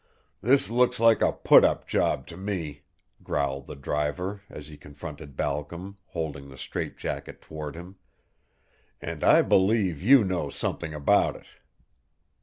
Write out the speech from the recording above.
"This looks like a put up job to me," growled the driver, as he confronted Balcom, holding the strait jacket toward him. "And I believe you know something about it."